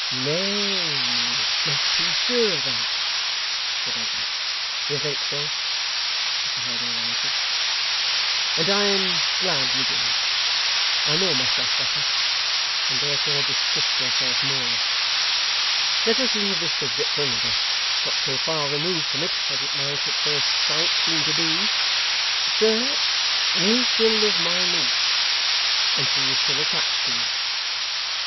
'Nay, you make too sure of that,' said Edward. 'You think so,' Mr Haredale answered, 'and I am glad you do. I know myself better, and therefore distrust myself more. Let us leave this subject for another not so far removed from it as it might, at first sight, seem to be. Sir, you still love my niece, and she is still attached to you.